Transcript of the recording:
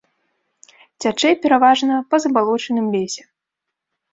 Цячэ пераважна па забалочаным лесе.